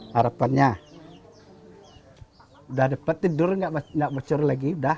harapannya sudah dapat tidur tidak bocor lagi sudah